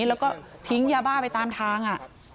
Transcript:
แล้วก็ทิ้งยาบ้าไปตามทาง